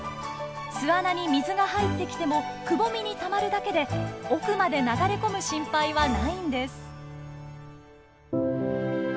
巣穴に水が入ってきてもくぼみにたまるだけで奥まで流れ込む心配はないんです。